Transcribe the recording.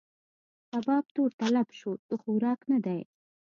کباب تور تلب شو؛ د خوراک نه دی.